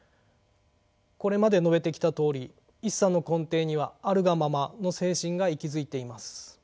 これまで述べてきたとおり一茶の根底には「あるがまま」の精神が息づいています。